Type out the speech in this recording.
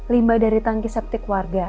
limbah dari tangki septik warga